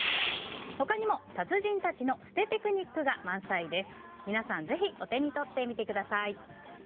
他にも達人たちの捨てテクニックが満載です。